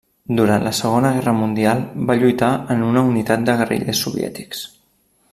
Durant la Segona Guerra Mundial va lluitar en una unitat de guerrillers soviètics.